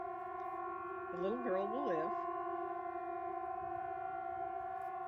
The little girl will live.